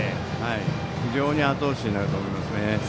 非常にあと押しになると思います。